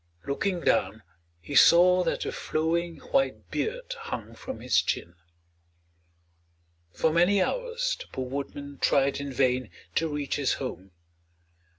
Looking down he saw that a flowing white beard hung from his chin. For many hours the poor woodman tried in vain to reach his home.